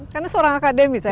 karena seorang akademis